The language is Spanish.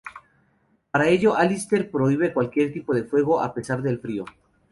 Para ello Allister prohíbe cualquier tipo de fuego, a pesar del frío.